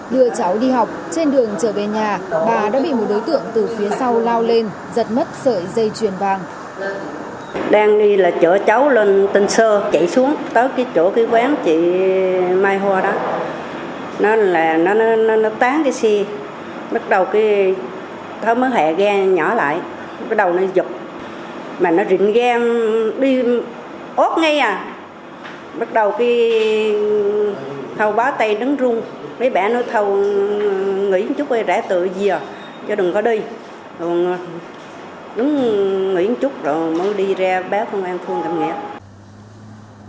đưa cháu đi học trên đường trở về nhà bà đã bị một đối tượng từ phía sau lao lên